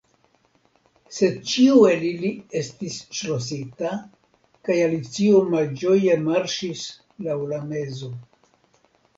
Sed ĉiu el ili estis ŝlosita, kaj Alicio malĝoje marŝis laŭ la mezo.